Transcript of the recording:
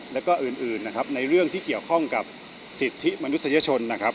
และก็อื่นในเรื่องที่เกี่ยวข้องกับสิทธิมนุษยชน